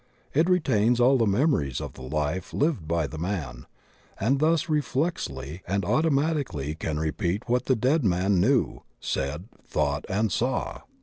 It retains all the memo ries of the life lived by the man, and thus reflexly and automatically can repeat what the dead man knew, said, thought, and saw.